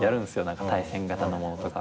対戦型のものとか。